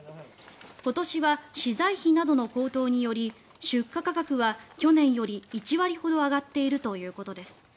今年は資材費などの高騰により出荷価格は去年より１割ほど上がっているということです。